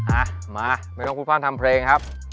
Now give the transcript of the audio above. อะมาไม่ต้องพูดฟั่งทำเพลงครับ